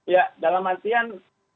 ya dalam artian